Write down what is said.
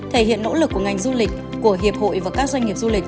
thể hiện nỗ lực của ngành du lịch của hiệp hội và các doanh nghiệp du lịch